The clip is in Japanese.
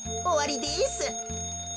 おわりです。